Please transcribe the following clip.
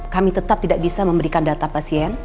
kami tetap tidak bisa memberikan data pasien